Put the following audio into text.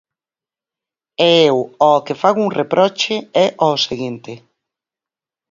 E eu ao que fago un reproche é ao seguinte.